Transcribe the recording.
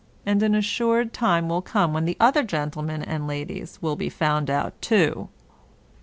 And an assured time will come when the other gentlemen and ladies will be found out too.